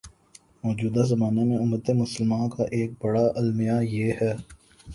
موجودہ زمانے میں امتِ مسلمہ کا ایک بڑا المیہ یہ ہے